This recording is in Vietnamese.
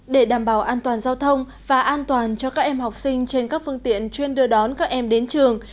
để đảm bảo an toàn giao thông và an toàn cho các em học sinh trên các phương tiện chuyên đưa đón các em đến trường